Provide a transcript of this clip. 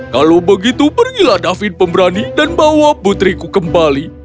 kalau begitu pergilah david pemberani dan bawa putriku kembali